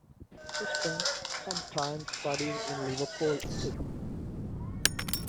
He spent some time studying in Liverpool, England.